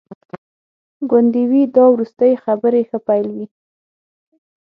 ګوندي وي دا وروستي خبري ښه پیل وي.